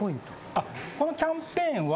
このキャンペーンは。